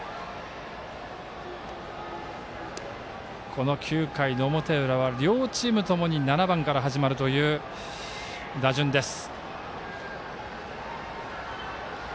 この９回の表裏は両チームともに７番から始まるという打順です。